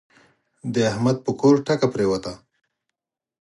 د احمد پر کور ټکه پرېوته.